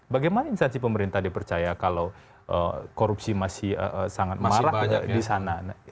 bagaimana instansi pemerintah dipercaya kalau korupsi masih sangat marak di sana